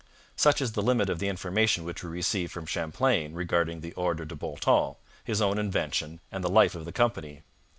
Such is the limit of the information which we receive from Champlain regarding the Ordre de Bon Temps, his own invention and the life of the company.